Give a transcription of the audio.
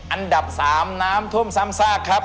อันดับ๓น้ำท่วมซ้ำซากครับ